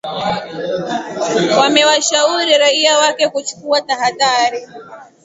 Wamewashauri raia wake kuchukua tahadhari